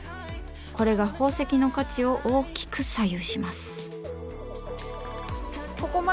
これが宝石の価値を大きく左右します。